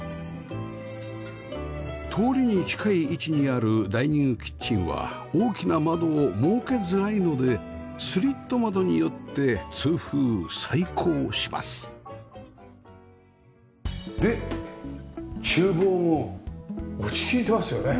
通りに近い位置にあるダイニングキッチンは大きな窓を設けづらいのでスリット窓によって通風採光しますで厨房も落ち着いてますよね。